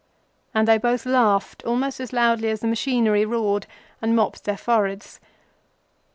And they both laughed almost as loudly as the machinery roared, and mopped their foreheads.